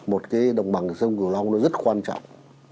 một cái đồng bằng sông cửu long nó rất quan trọng